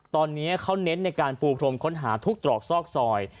ตอนนี้เขาเน้นในการปูพรมค้นหาทุกตรอกซอกซอย